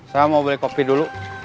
saya mau beli kopi dulu